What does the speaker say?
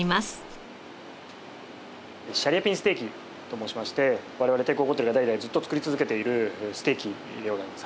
シャリアピンステーキと申しまして我々帝国ホテルが代々ずっと作り続けているステーキでございます。